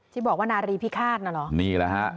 ที่บอกว่านารีพิฆาตน่ะเหรอนี่แหละฮะ